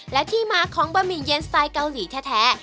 และที่มาของบะหมี่เย็นสไตล์เกาหลีแท้